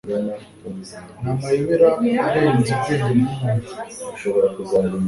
Ni amayobera arenze ubwenge bw’umuntu;